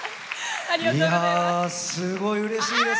すごいうれしいです。